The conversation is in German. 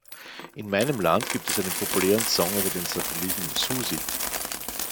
In meinem Land gibt es einen populären Song über den Satelliten Suzy.